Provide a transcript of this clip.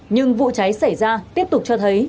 nhưng vụ cháy xảy ra tiếp tục cho thấy